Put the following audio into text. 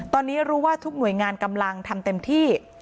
ตอนนี้รู้ว่าทุกหน่วยงานกำลังทำเต็มที่